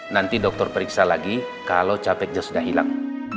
nanti dokter periksa lagi kalau capeknya sudah hilang